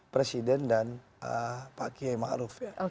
presiden dan pak kiai ma'ruf ya